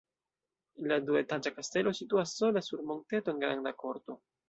La duetaĝa kastelo situas sola sur monteto en granda korto.